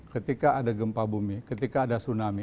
ketika ada gempa bumi ketika ada tsunami